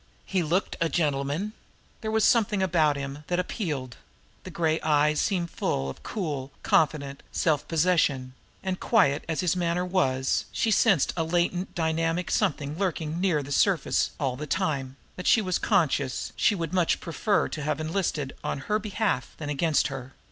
He looked a gentleman. There was something about him that appealed. The gray eyes seemed full of cool, confident, self possession; and, quiet as his manner was, she sensed a latent dynamic something lurking near the surface all the time that she was conscious she would much prefer to have enlisted on her behalf than against her.